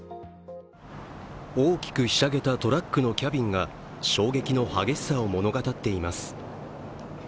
大きくひしゃげたトラックのキャビンが衝撃の激しさを物語っています。